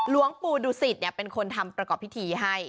หลวงปู่ดุสิตเป็นคนทำประกอบพิธีให้